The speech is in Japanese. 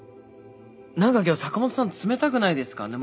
何か今日坂本さん冷たくないですか？